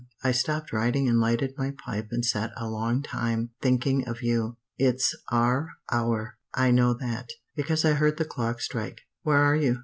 I stopped writing and lighted my pipe and sat a long time, thinking of you. It's 'our hour' I know that, because I heard the clock strike. Where are you?